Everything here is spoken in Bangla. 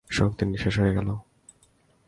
শক্তি নিঃশেষ হয়ে গেল।